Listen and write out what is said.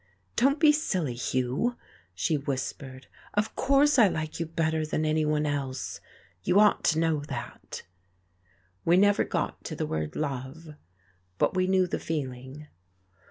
"Don't be silly, Hugh," she whispered. "Of course I like you better than anyone else you ought to know that." We never got to the word "love," but we knew the feeling.